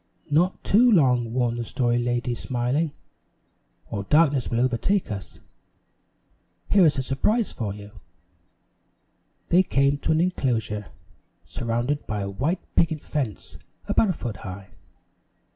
"Not too long," warned the Story Lady, smiling, "or darkness will overtake us. Here is a surprise for you." They came to an enclosure, surrounded by a white picket fence about a foot high.